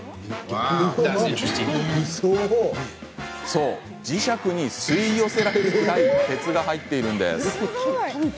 そう、磁石に吸い寄せられるくらい鉄が入っているんです。